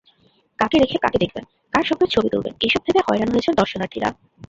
কাকে রেখে কাকে দেখবেন, কার সঙ্গে ছবি তুলবেন—এসব ভেবে হয়রান হয়েছেন দর্শনার্থীরা।